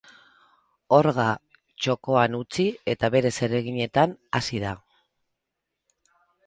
Orga txokoan utzi eta bere zereginetan hasi da.